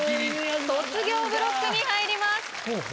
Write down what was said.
「卒業」ブロックに入ります。